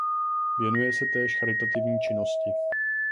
Věnuje se též charitativní činnosti.